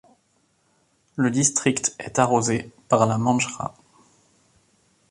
Le district est arrosé par la Manjra.